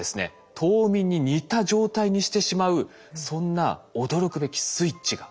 冬眠に似た状態にしてしまうそんな驚くべきスイッチがあったんです。